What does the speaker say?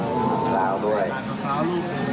สวัสดีครับทุกคน